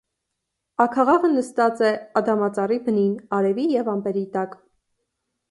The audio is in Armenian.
Աքաղաղը նստած է ադամածառի բնին, արևի և ամպերի տակ։